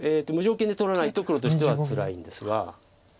無条件で取らないと黒としてはつらいんですが。